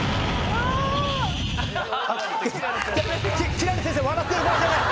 輝星先生笑ってる場合じゃない。